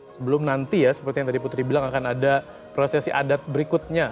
sebelum nanti ya seperti yang tadi putri bilang akan ada prosesi adat berikutnya